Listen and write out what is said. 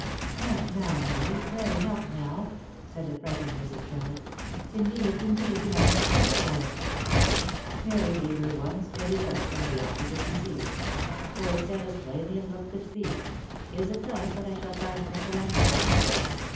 " Not now, Mary ! Pray, not now !" said the frightened Mrs. Tremlett, " Indeed, indeed, you have not strength for it !" Mary gave her one steady look, and the opposition ceased ; for it said as plainly as look could speak —" Is it thus that I shall find Michael Armstrong?"